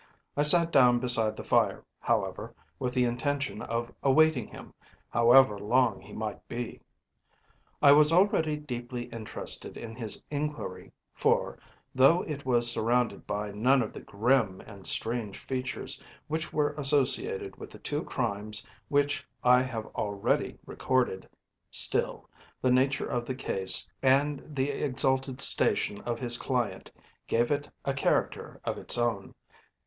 I sat down beside the fire, however, with the intention of awaiting him, however long he might be. I was already deeply interested in his inquiry, for, though it was surrounded by none of the grim and strange features which were associated with the two crimes which I have already recorded, still, the nature of the case and the exalted station of his client gave it a character of its own.